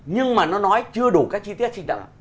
nhưng mà nó nói chưa đủ các chi tiết sinh động